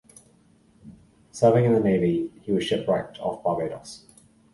Serving in the Navy, he was shipwrecked off Barbados.